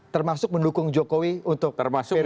termasuk mendukung jokowi untuk periode kedua